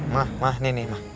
mah mah ini nih mah